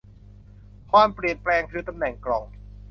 ความเปลี่ยนแปลง คือ ตำแหน่งกล่อง